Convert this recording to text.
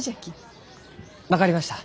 分かりました。